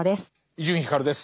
伊集院光です。